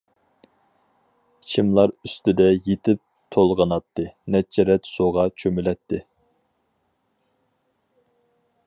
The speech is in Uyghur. چىملار ئۈستىدە يېتىپ تولغىناتتى، نەچچە رەت سۇغا چۆمۈلەتتى.